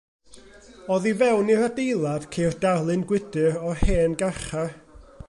Oddi fewn i'r adeilad ceir darlun gwydr o'r hen garchar.